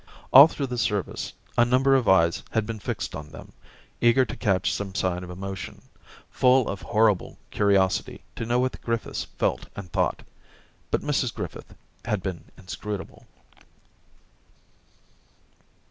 All through the service a number of eyes had been fixed on them, eager to catch some sign of emotion, full of horrible curiosity to know what the Griffiths felt and thought; but Mrs Griffith had been inscrutable.